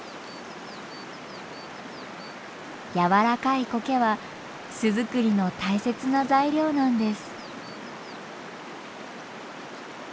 やわらかいコケは巣づくりの大切な材料なんです。